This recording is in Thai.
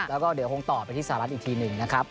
แล้วก็เดี๋ยวคงต่อไปที่สหรัฐอีกทีหนึ่งนะครับ